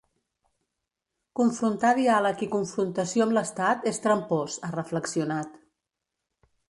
Confrontar diàleg i confrontació amb l’estat és trampós, ha reflexionat.